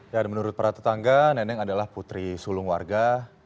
dan menurut para tetangga neneng adalah putri sulung warga